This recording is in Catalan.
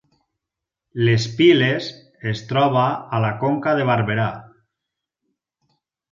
Les Piles es troba a la Conca de Barberà